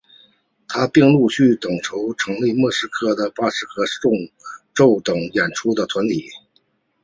他并陆续筹办成立莫斯科巴洛克四重奏等演出团体。